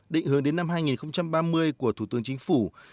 định hướng đến năm hai nghìn ba mươi của thủ tướng chính phủ